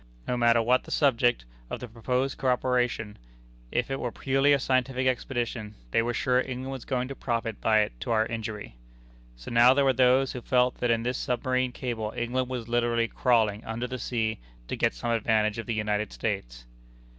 No matter what the subject of the proposed coöperation, if it were purely a scientific expedition, they were sure England was going to profit by it to our injury. So now there were those who felt that in this submarine cable England was literally crawling under the sea to get some advantage of the United States!